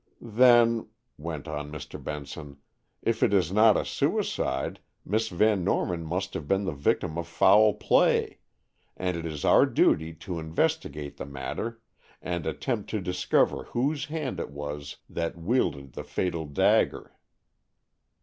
"Then," went on Mr. Benson, "if it is not a suicide, Miss Van Norman must have been the victim of foul play, and it is our duty to investigate the matter, and attempt to discover whose hand it was that wielded the fatal dagger."